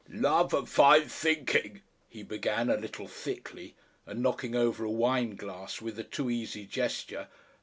"Love and fine thinking," he began, a little thickly, and knocking over a wine glass with a too easy gesture.